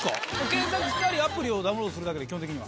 検索したりアプリをダウンロードするだけで基本的には。